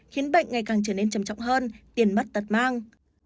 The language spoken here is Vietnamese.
khiến bệnh ngày càng trở nên trầm trọng hơn tiền mất tật mang